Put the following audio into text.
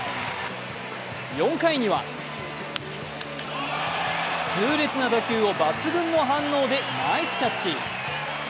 ４回には痛烈な打球を抜群の反応でナイスキャッチ。